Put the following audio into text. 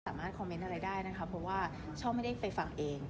สามารถคอมเมนต์อะไรได้นะคะเพราะว่าชอบไม่ได้ไปฟังเอง